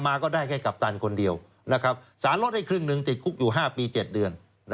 ก็ได้แค่กัปตันคนเดียวสารลดให้ครึ่งหนึ่งติดคุกอยู่๕ปี๗เดือน